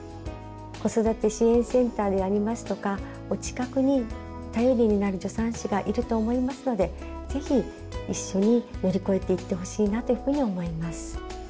子育て支援センターでありますとかお近くに頼りになる助産師がいると思いますので是非一緒に乗り越えていってほしいなというふうに思います。